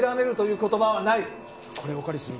これお借りする。